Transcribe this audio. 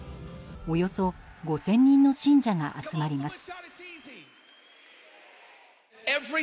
およそ５０００人の信者が集まります。